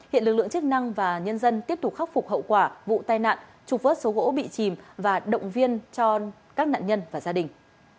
hiện lực lượng chức năng và nhân dân tiếp tục khắc phục hậu quả vụ tai nạn trục vớt số gỗ bị chìm và động viên cho các nạn nhân và gia đình